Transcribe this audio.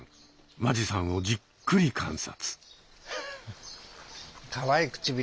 間地さんをじっくり観察。